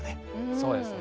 そうですね。